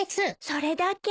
それだけ？